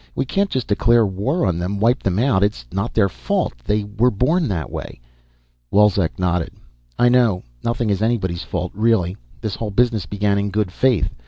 "We can't just declare war on them, wipe them out. It's not their fault they were born that way." Wolzek nodded. "I know. Nothing is anybody's fault, really. This whole business began in good faith.